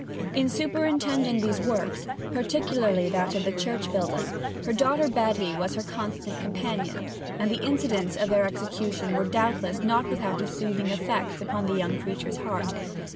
In superintending these works, particularly that of the church building, her daughter Betty was her constant companion, and the incidents of their execution were doubtless not without a soothing effect upon the young creature's heart.